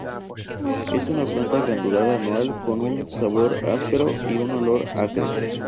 Es una planta glandular anual con un sabor áspero y un olor acre.